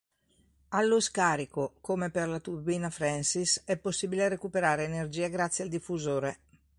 Allo scarico, come per la turbina Francis, è possibile recuperare energia grazie al diffusore.